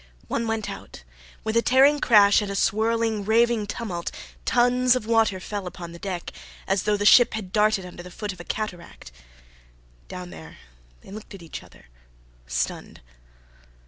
One went out. With a tearing crash and a swirling, raving tumult, tons of water fell upon the deck, as though the ship had darted under the foot of a cataract. Down there they looked at each other, stunned.